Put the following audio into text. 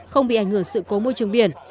không bị ảnh hưởng sự cố môi trường biển